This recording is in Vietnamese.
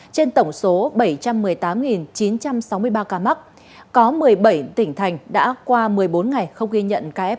trên tổng số bảy trăm một mươi tám chín trăm sáu mươi ba ca mắc có một mươi bảy tỉnh thành đã qua một mươi bốn ngày không ghi nhận caf